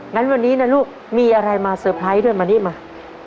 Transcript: งั้นวันนี้นะลูกมีอะไรมาเตอร์ไพรส์ด้วยมานี่มา